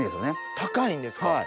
高いんですか？